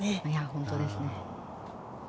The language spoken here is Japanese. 本当ですね。